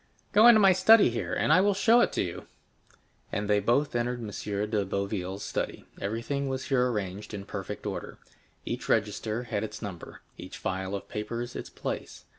"Go into my study here, and I will show it to you." And they both entered M. de Boville's study. Everything was here arranged in perfect order; each register had its number, each file of papers its place.